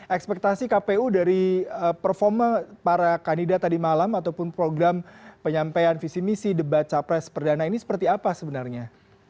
ekspektasi kpu dari performa para kandidat tadi malam ataupun program penyampaian visi misi debat capres perdana ini seperti apa sebenarnya